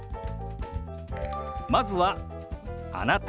まずは「あなた」。